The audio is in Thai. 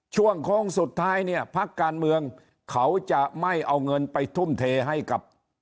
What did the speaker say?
ช่วงโค้งสุดท้ายเนี่ยพักการเมืองเขาจะไม่เอาเงินไปทุ่มเทให้กับ